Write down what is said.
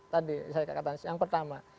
tadi saya katakan yang pertama